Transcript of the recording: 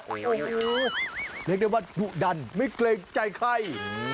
โอ้โหเรียกได้ว่าดุดันไม่เกรงใจใคร